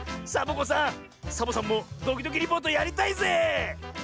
サボ子さんサボさんも「ドキドキリポート」やりたいぜえ！